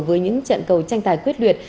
với những trận cầu tranh tài quyết luyệt